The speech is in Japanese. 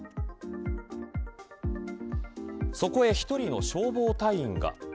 そこへ１人の消防隊員が。